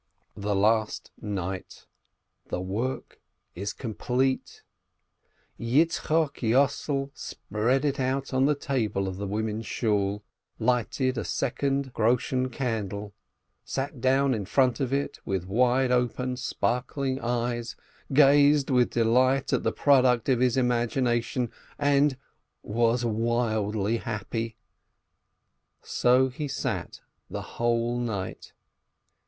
The last night! The work is complete. Yitzchok Yossel spread it out on the table of the women's Shool, lighted a second groschen candle, sat down in front of it with wide open, sparkling eyes, gazed with delight at the product of his imagination and — was wildly happy ! So he sat the whole night.